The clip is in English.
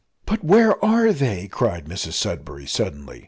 "But where are they?" cried Mrs Sudberry, suddenly.